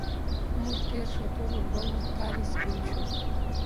عمر تیر شو، تور اوربل مې ښکاري سپین شو